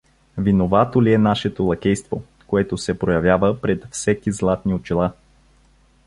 Виновато ли е нашето лакейство, което се проявява пред всеки златни очила.